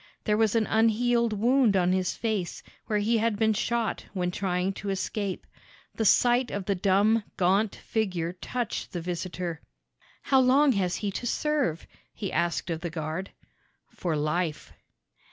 There was an unhealed wound on his face, where he had been shot when trying to escape. The sight of the dumb, gaunt figure touched the visitor. "How long has he to serve?" he asked of the guard. "For life."